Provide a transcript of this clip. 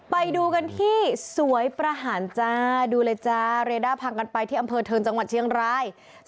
ไปดูกันที่สวยประหารจ้าดูเลยจ้าเรด้าพังกันไปที่อำเภอเทิงจังหวัดเชียงราย